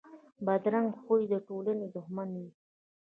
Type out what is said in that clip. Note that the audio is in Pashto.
بدرنګه خوی د ټولنې دښمن وي